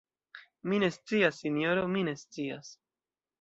Mi ne scias, sinjoro, mi ne scias!